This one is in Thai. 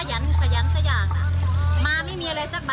ขยันสักอย่างมาไม่มีอะไรสักบาท